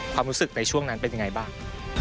ความรู้สึกในช่วงนั้นเป็นยังไงบ้าง